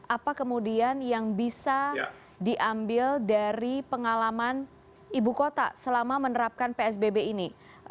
apa kemudian yang bisa diambil dari pengalaman ibu kota selama menerapkan psbb ini